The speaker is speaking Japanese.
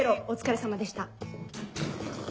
お疲れさまでした。